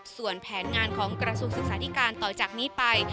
ส่วนแผนงานของกระทรวงศึกษาธิการต่อจากนี้ไป